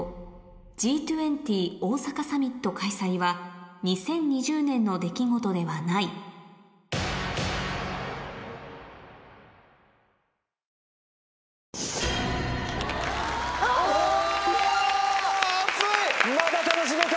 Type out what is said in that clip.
Ｇ２０大阪サミット開催は２０２０年の出来事ではないまだ楽しめた！